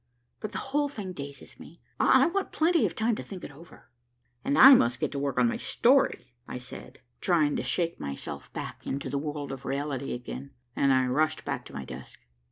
But the whole thing dazes me. I want plenty of time to think it over." "And I must get to work on my story," I said, trying to shake myself back into the world of reality again, and I rushed back to my desk.